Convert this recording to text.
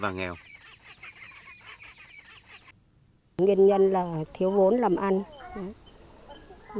đăng ký kênh youtube